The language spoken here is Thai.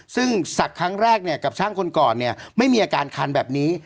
ซึ่งศักดิ์ครั้งแรกเนี่ยกับช่างคนก่อนเนี่ยไม่มีอาการคันแบบนี้